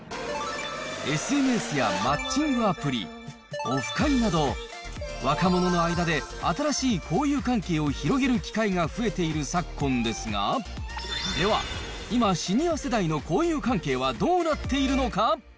ＳＮＳやマッチングアプリ、オフ会など、若者の間で新しい交友関係を広げる機会が増えている昨今ですが、では、今、シニア世代の交友関係はどうなっているのか？